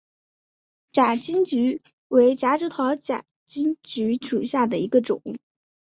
假金桔为夹竹桃科假金桔属下的一个种。